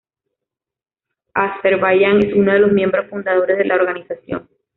Azerbaiyán es uno de los miembros fundadores de la organización.